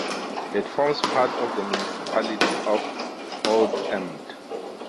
It forms part of the municipality of Oldambt.